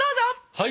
はい！